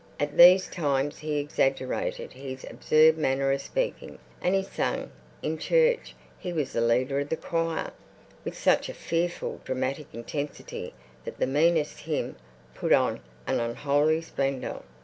At these times he exaggerated his absurd manner of speaking, and he sang in church—he was the leader of the choir—with such fearful dramatic intensity that the meanest hymn put on an unholy splendour.